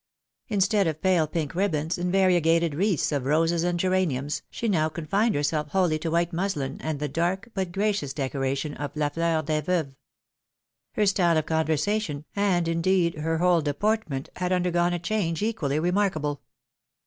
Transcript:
Instead of pale pink ribbons, and variegated wreaths of roses and geraniums, she now confined herself wholly to white musUn, and the dark, but gracious decoration of la Jfeur des veuves. Her style of conversation, and, indeed, her whole deportment, had undergone a change equally remarkable.